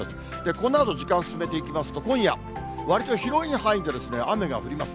このあと時間を進めていきますと今夜、わりと広い範囲で雨が降ります。